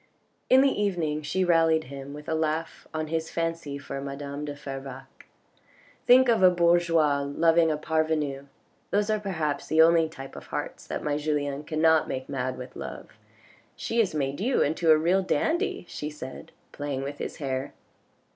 In the evening she rallied him with a laugh on his fancy for madame de Fervaques. "Think of a bourgeois loving a parvenu, those are perhaps the only type of hearts that my Julien cannot make mad with love. She has made you into a real dandy," she said playing with his hair.